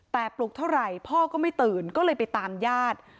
แต่ปลุกเท่าไหร่พ่อก็ไม่ตื่นก็เลยไปตามญาติ